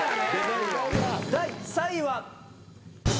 第３位は。